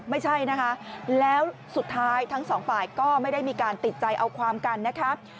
ไม่ใช่นะคะแล้วสุดท้ายทั้งสองฝ่ายก็ไม่ได้มีการติดใจเอาความกันนะคะ